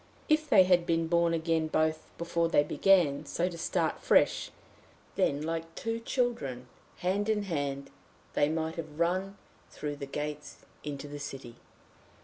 If they had been born again both, before they began, so to start fresh, then like two children hand in hand they might have run in through the gates into the city.